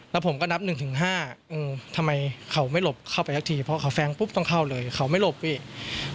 แล้วผมก็นับ๑๕ทำไมเขาไม่หลบเข้าไปสักทีเพราะเขาแซงปุ๊บต้องเข้าเลยเขาไม่หลบพี่